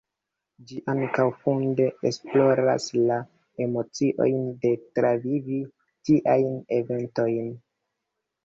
Ĝi ankaŭ funde esploras la emociojn de travivi tiajn eventojn.